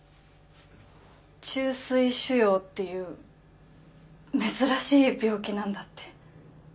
虫垂腫瘍っていう珍しい病気なんだって。